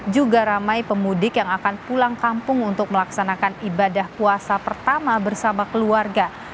juga ramai pemudik yang akan pulang kampung untuk melaksanakan ibadah puasa pertama bersama keluarga